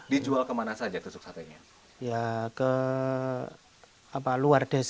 dijual kemana saja tusuk sate nya